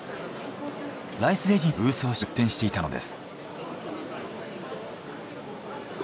ライスレジンのブースを出展していたのです。